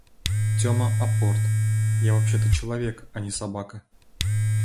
«Тёма, апорт!» — «Я вообще-то человек, а не собака».